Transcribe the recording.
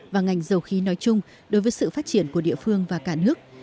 và ngành dầu khí nói chung đối với sự phát triển của địa phương và cả nước